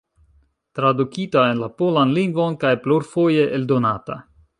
Tradukita en la polan lingvon kaj plurfoje eldonata.